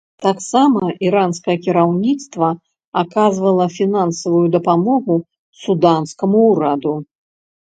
Таксама іранскае кіраўніцтва аказвала фінансавую дапамогу суданскаму ўраду.